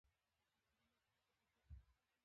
افغانستان تر هغو نه ابادیږي، ترڅو د وخت ارزښت ونه پیژنو.